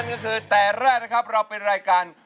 ก็คือแต่แรกนะครับเราเป็นรายการ